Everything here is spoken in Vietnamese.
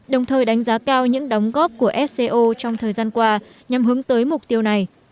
đồng thời đánh giá cao những đóng góp của sco trong thời gian qua nhằm hướng tới mục tiêu này